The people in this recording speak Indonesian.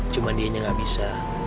cuma dianya gak bisa